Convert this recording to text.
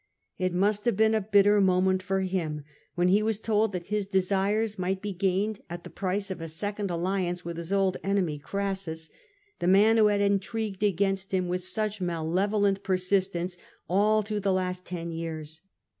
It must have been a bitter mo ment for him when he was told that his desires might be gained, at the price of a second alliance with his old enemy Crassus, the man who had intrigued against him with such malevolent persistence all through the last ten years.